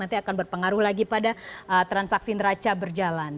nanti akan berpengaruh lagi pada transaksi neraca berjalan